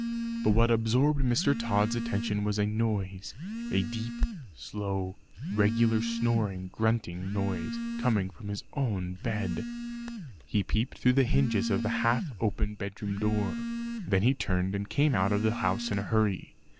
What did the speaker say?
But what absorbed Mr. Tod's attention was a noise a deep slow regular snoring grunting noise, coming from his own bed. He peeped through the hinges of the half open bedroom door. Then he turned and came out of the house in a hurry.